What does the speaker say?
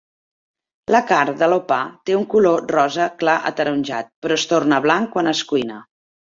La carn de l'opah té un color rosa clar ataronjat, però es torna blanc quan es cuina.